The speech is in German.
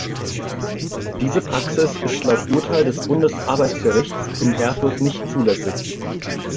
Diese Praxis ist laut Urteil des Bundesarbeitsgerichts in Erfurt nicht zulässig.